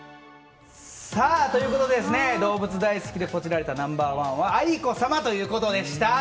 動物大好きでポチられたナンバー１は愛子さまということでした。